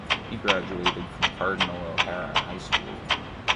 He graduated from Cardinal O'Hara High School.